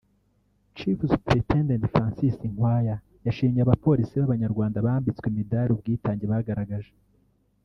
Chief Superintendent Francis Nkwaya yashimye abapolisi b’Abanyarwanda bambitswe imidari ubwitange bagaragaje